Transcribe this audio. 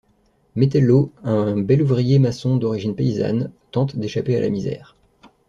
Metello, un bel ouvrier maçon d'origine paysanne, tente d'échapper à la misère.